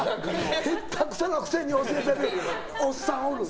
下手くそなくせに教えてるおっさんおるな。